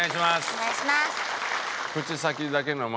お願いします。